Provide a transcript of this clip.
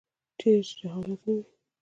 چیرې چې جهالت نه وي.